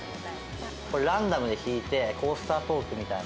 これランダムで引いてコースタートークみたいな。